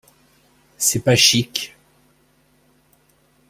C’est pas chic !